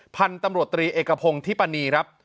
พันธุ์ตำรวจตรีเอกพงศ์ธิปนีครับ